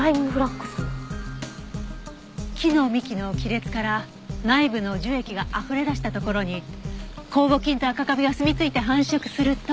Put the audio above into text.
木の幹の亀裂から内部の樹液があふれ出したところに酵母菌とアカカビがすみついて繁殖すると。